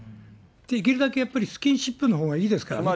できるだけやっぱり、スキンシップのほうがいいですからね。